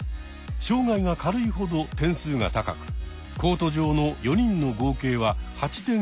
障害が軽いほど点数が高くコート上の４人の合計は８点以内。